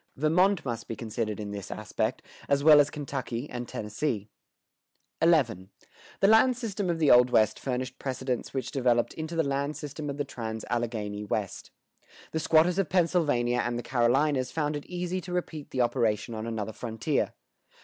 Vermont must be considered in this aspect, as well as Kentucky and Tennessee.[122:2] XI. The land system of the Old West furnished precedents which developed into the land system of the trans Alleghany West.[122:3] The squatters of Pennsylvania and the Carolinas found it easy to repeat the operation on another frontier.